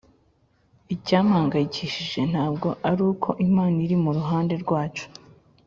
icyampangayikishije ntabwo aruko imana iri muruhande rwacu;